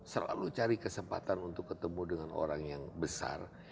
selalu cari kesempatan untuk ketemu dengan orang yang besar